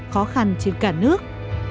khó khăn trên cả nước